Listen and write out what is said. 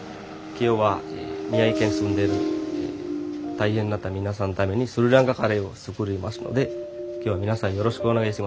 ・今日は宮城県に住んでる大変になった皆さんのためにスリランカカレーを作りますので今日は皆さんよろしくお願いします。